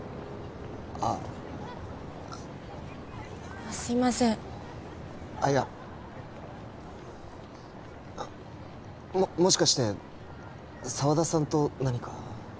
あすいませんあやももしかして沢田さんと何か？